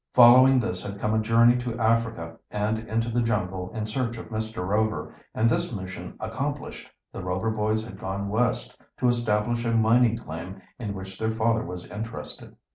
Following this had come a journey to Africa and into the jungle in search of Mr. Rover, and this mission accomplished, the Rover boys had gone West to establish a mining claim in which their father was interested.